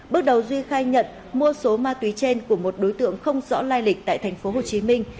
bước đầu duy khai nhận mua số ma túy trên của một đối tượng không rõ lai lịch tại thành phố hồ chí minh